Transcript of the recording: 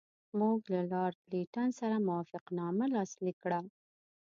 موږ له لارډ لیټن سره موافقتنامه لاسلیک کړه.